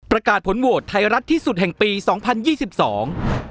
ประกาศผลโหวตไทยรัฐที่สุดแห่งปีสองพันยี่สิบสอง